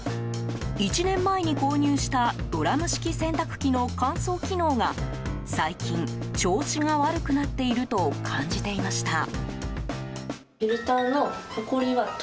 １年前に購入したドラム式洗濯機の乾燥機能が最近、調子が悪くなっていると感じていました。